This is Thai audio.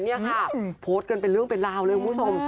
นี่ค่ะโพสต์กันเป็นเรื่องเป็นราวเลยคุณผู้ชม